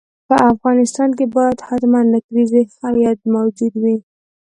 په افغانستان کې باید حتماً انګریزي هیات موجود وي.